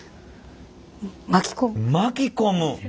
巻き込む。